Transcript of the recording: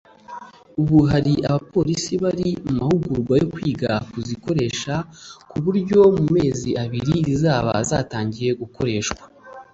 ubu hari abapolisi bari mu mahugurwa yo kwiga kuzikoresha ku buryo mu mezi abiri zizaba zatangiye gukoreshwa